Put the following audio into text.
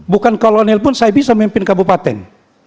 bukan kolonel pun saya bisa memimpin kabupaten